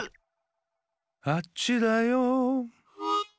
あっちだよ。